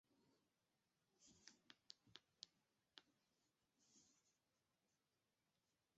中华民国时期仍沿袭清代所置二十旗。